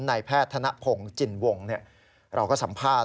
ในแพทย์ธนพงศ์จินวงศ์